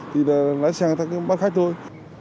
thì là lái xe bắt khách thôi